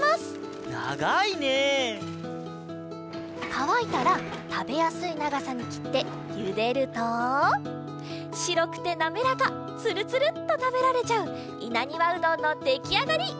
かわいたらたべやすいながさにきってゆでるとしろくてなめらかつるつるっとたべられちゃういなにわうどんのできあがり！